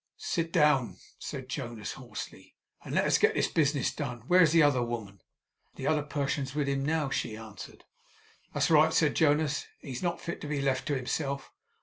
'Sit down,' said Jonas, hoarsely, 'and let us get this business done. Where is the other woman?' 'The other person's with him now,' she answered. 'That's right,' said Jonas. 'He is not fit to be left to himself.